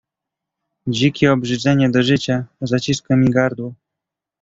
"Dzikie obrzydzenie do życia zaciska mi gardło."